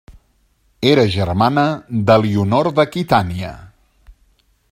Era germana d'Elionor d'Aquitània.